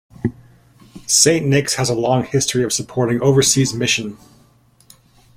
Saint Nics has a long history of supporting overseas mission.